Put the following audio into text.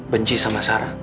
benci sama sarah